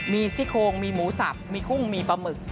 มีซี่โคงมีหมูสับมีกุ้งมีปลาหมึก